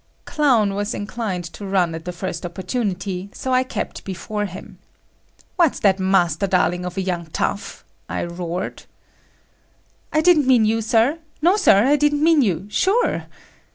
Clown was inclined to run at the first opportunity; so kept I before him. "What's that Master Darling of a young tough!" I roared. "I didn't mean you. Sir. No, Sir, I didn't mean you, sure."